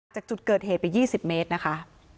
จากจุดเกิดเหตุไป๒๐เมตรนะคะ